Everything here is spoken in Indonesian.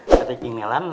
makasih ya bang